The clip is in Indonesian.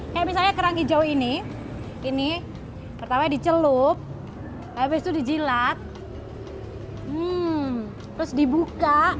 kayak misalnya kerang hijau ini ini pertama dicelup habis itu dijilat terus dibuka